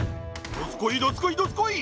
どすこいどすこいどすこい！